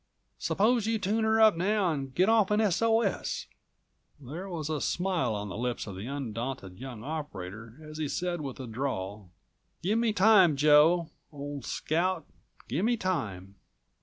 Suppose you tune her up now and get off an S.O.S." There was a smile on the lips of the undaunted young operator as he said with a drawl: "Give me time, Joe, old scout, give me time."